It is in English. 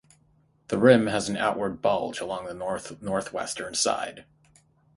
The rim has an outward bulge along the north-northwestern side.